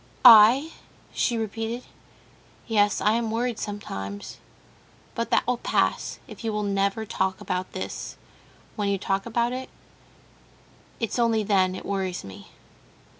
"I?" she repeated. "Yes, I am worried sometimes; but that will pass, if you will never talk about this. When you talk about it—it's only then it worries me."